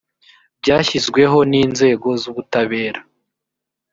byashyizweho n inzego z ubutabera